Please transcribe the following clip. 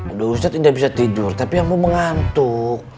aduh ustadz tidak bisa tidur tapi aku mau mengantuk